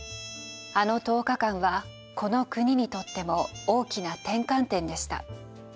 あの１０日間はこの国にとっても大きな転換点でした。